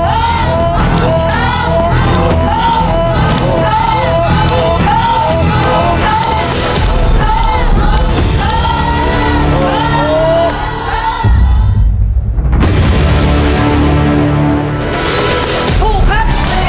สูงครับ